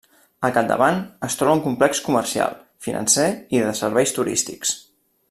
Al capdavant es troba un complex comercial, financer i de serveis turístics.